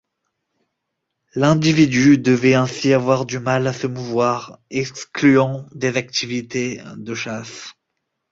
L'individu devait ainsi avoir du mal à se mouvoir, excluant des activités de chasse.